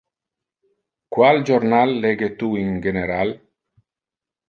Qual jornal lege tu in general?